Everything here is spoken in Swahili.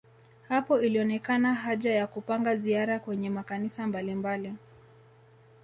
Hapo ilionekana haja ya kupanga ziara kwenye makanisa mbalimbali